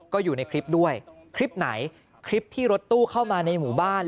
ก็อยู่ในคลิปด้วยคลิปไหนคลิปที่รถตู้เข้ามาในหมู่บ้าน